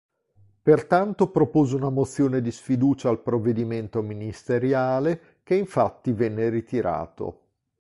Pertanto propose una mozione di sfiducia al provvedimento ministeriale, che infatti venne ritirato.